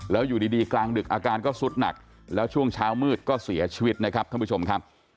แล้วอยู่ดีกลางดึกอาการก็สุดหนักแล้วช่วงเช้ามืดก็เสียชีวิตนะครับท่านผู้ชมครับ